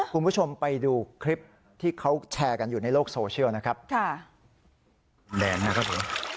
คุณผู้ชมไปดูคลิปที่เขาแชร์กันอยู่ในโลกโซเชียลนะครับ